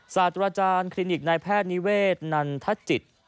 สาธุอาจารย์คลินิกในแพนิเวศนันผัสจิต